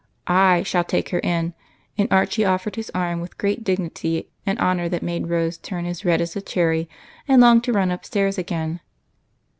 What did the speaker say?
"/ shall take her in." And Archie offered his arm with great dignity, an honor that made Rose turn as red as a cherry and long to run upstairs again.